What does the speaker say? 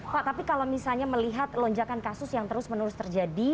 pak tapi kalau misalnya melihat lonjakan kasus yang terus menerus terjadi